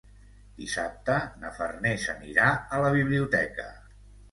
Dissabte na Farners anirà a la biblioteca.